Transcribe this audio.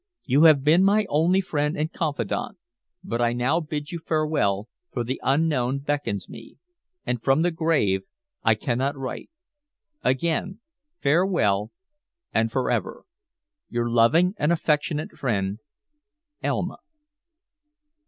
You have been my only friend and confidante, but I now bid you farewell, for the unknown beckons me, and from the grave I cannot write. Again farewell, and for ever. "Your loving and affectionate friend, "Elma."